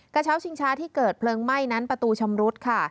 กระเช้าชิงช้าที่เกิดเดินไจรกระเทียบไล่นั้นประตูชำรุกค่ะ